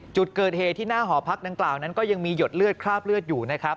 จุดเกิดเหตุที่หน้าหอพักดังกล่าวนั้นก็ยังมีหยดเลือดคราบเลือดอยู่นะครับ